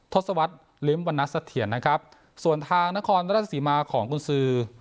ทศวรรษลิ้มวรรณเสถียรนะครับส่วนทางนครราชสีมาของกุญสือ